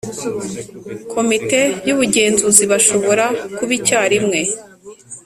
Komite y ubugenzuzi bashobora kuba icyarimwe